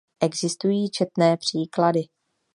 Existují četné příklady.